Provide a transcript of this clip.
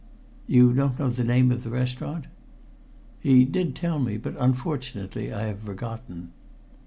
"You don't know the name of the restaurant?" "He did tell me, but unfortunately I have forgotten."